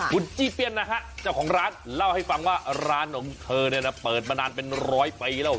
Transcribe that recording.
คุณจี้เปี้ยนนะฮะเจ้าของร้านเล่าให้ฟังว่าร้านของเธอเนี่ยนะเปิดมานานเป็นร้อยปีแล้ว